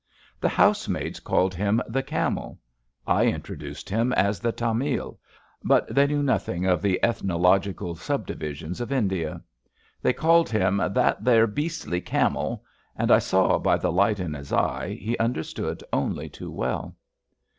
The house maids called him the Camel. I introduced him as the Tamil/* but they knew nothing of the ethnological subdivisions of India. They called him that there beastly camel/' and I saw by the light in his eye he understood only too well.